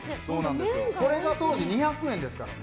これが当時２００円ですからね。